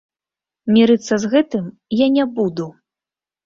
Мірыцца з гэтым я не буду.